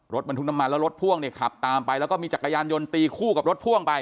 รถบรรทุกน้ำมันแล้วรถพ่วงเนี่ยขับตามไปแล้วก็มีจักรยานยนต์ตีคู่กับรถพ่วงไป